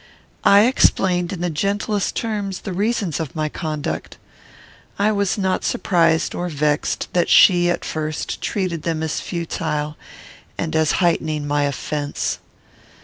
I explained in the gentlest terms the reasons of my conduct. I was not surprised or vexed that she, at first, treated them as futile, and as heightening my offence.